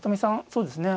そうですね